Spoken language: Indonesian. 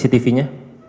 cctv tujuh mungkin ya